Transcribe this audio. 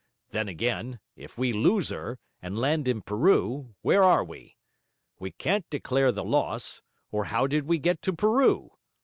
Then again, if we lose her, and land in Peru, where are we? We can't declare the loss, or how did we get to Peru?